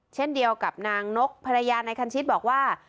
เช่นเดียวกับนางนกภรรยานายคันชิตบอกว่า